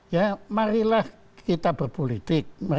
ya marilah kita berpolitik